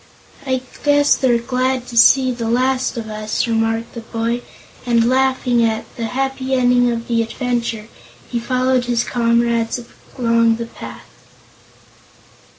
"I guess they're glad to see the last of us," remarked the boy, and laughing at the happy ending of the adventure, he followed his comrades along the path.